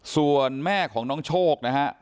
ส่วนแม่ของน้องโชคนะฮะ